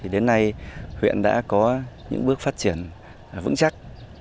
đến nay huyện đã có những bước phát triển vững chắc